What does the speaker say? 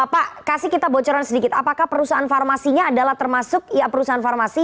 pak kasih kita bocoran sedikit apakah perusahaan farmasinya adalah termasuk perusahaan farmasi